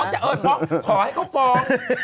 ขอให้เขาฟ้อง